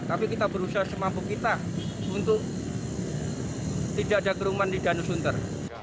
tapi kita berusaha semampu kita untuk tidak ada kerumunan di danau sunter